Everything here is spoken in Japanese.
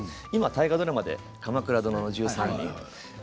今大河ドラマ「鎌倉殿の１３人」